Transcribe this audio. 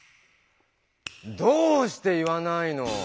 どうして言わないの？